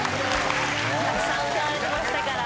たくさん歌われてましたから。